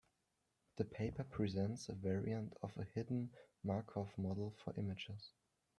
The paper presents a variant of a hidden Markov model for images.